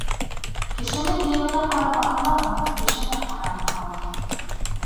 Кешене кейеменә ҡарап баһалама, эшенә ҡарап баһала.